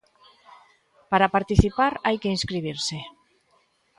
Para participar hai que inscribirse.